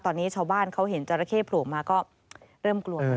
ตอนนี้ชาวบ้านเขาเห็นจราเข้โผล่มาก็เริ่มกลัวแล้ว